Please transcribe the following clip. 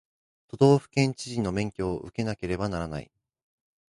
都道府県知事の免許を受けなければならない